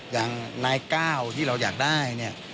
อย่างนายก้าวที่เราอยากได้เนี่ย